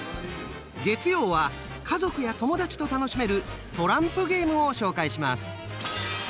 月曜は家族や友達と楽しめるトランプゲームを紹介します。